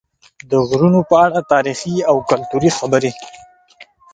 د غرونو په اړه تاریخي او کلتوري خبرې